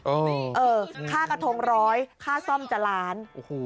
เออค่ากระทงร้อยค่าซ่อมจะล้านโอ้โห